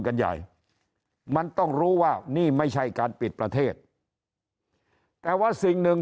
กันใหญ่มันต้องรู้ว่านี่ไม่ใช่การปิดประเทศแต่ว่าสิ่งหนึ่ง